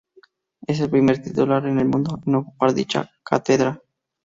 Es el primer titular en el mundo en ocupar dicha cátedra.